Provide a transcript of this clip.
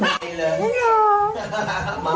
น่ารักนิสัยดีมาก